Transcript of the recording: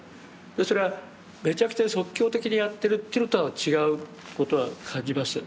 それはメチャクチャに即興的にやってるというのとは違うことは感じます。